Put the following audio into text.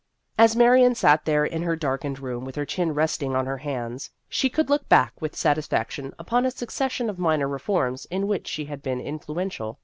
As Marion sat there in her darkened room with her chin resting on her hands, she could look back with satisfaction upon a succession of minor reforms in which she had been influential.